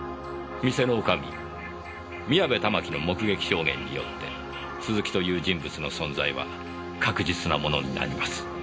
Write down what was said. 店の女将宮部たまきの目撃証言によって鈴木という人物の存在は確実なものになります。